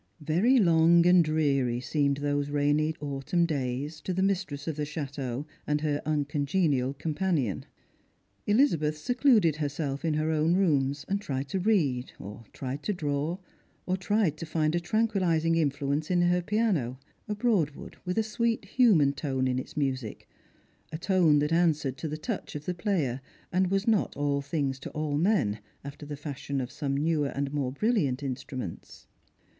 Very long and dreary seemed those rainy autumn days to the mistress of the chateau and her uncongenial companion. Eliza beth secluded herself in her own rooms, and tried to read, or tried to draw, or tried to find a tranquillising influence in her piano, — a Broadwood, with a sweet human tone in its music; a tone that answered to the touch of the player, and was not all things to all men, after the I'ashion of some newer and moro brilliant instruments.